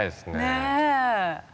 ねえ。